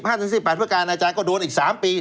ปฏิบัติพคารอาจารย์ก็โดนอีก๓ปี